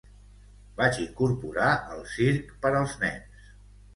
Vaig incorporar el circ per als nens.